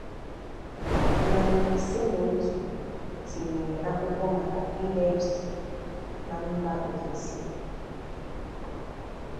narị ise na otu tinyere akwụkwọ maka PhD na mba ofesi.